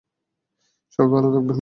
সবাই ভালো থাকবেন, শুভ বিদায়।